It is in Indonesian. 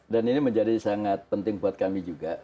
ini menjadi sangat penting buat kami juga